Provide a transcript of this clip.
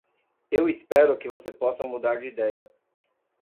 Eu espero que você possa mudar de ideia.